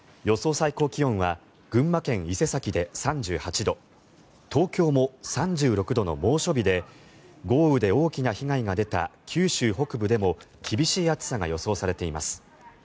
最高気温は群馬県伊勢崎で３８度東京も３６度の猛暑日で豪雨で大きな被害が出た九州北部でも厳しい暑さが予想されています。